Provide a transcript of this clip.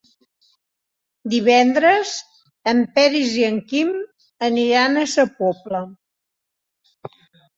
Divendres en Peris i en Quim aniran a Sa Pobla.